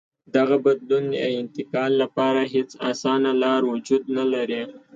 دغه بدلون یا انتقال لپاره هېڅ اسانه لار وجود نه لري.